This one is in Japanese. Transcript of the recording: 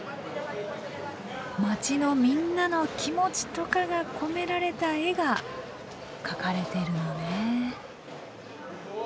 街のみんなの気持ちとかが込められた絵が描かれているのね。